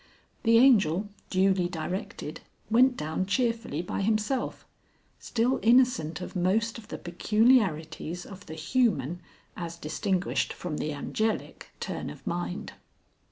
The Angel, duly directed, went down cheerfully by himself still innocent of most of the peculiarities of the human as distinguished from the angelic turn of mind.